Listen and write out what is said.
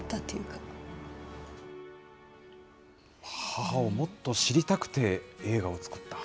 母をもっと知りたくて、映画を作った。